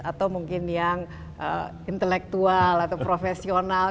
atau mungkin yang intelektual atau profesional